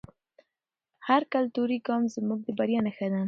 هر کلتوري ګام زموږ د بریا نښه ده.